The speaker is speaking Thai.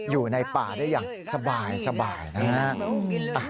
อยู่ในป่าได้อย่างสบายนะฮะ